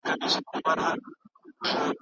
دوکاندار دی هسي نه ده چي شته من دی